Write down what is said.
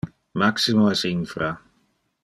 Maximo es infra.